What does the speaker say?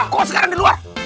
kok sekarang di luar